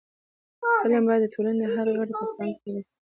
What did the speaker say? فلم باید د ټولنې هر غړی په پام کې ونیسي